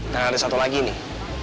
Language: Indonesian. nah ada satu lagi nih